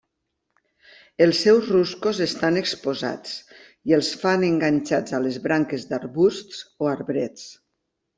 Els seus ruscos estan exposats i els fan enganxats a les branques d'arbusts o arbrets.